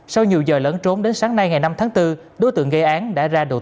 sau nhiều giờ lẫn trốn đến sáng nay ngày năm tháng bốn đối tượng gây án đã ra đồ chơi